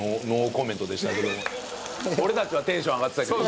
俺たちはテンション上がってたけど。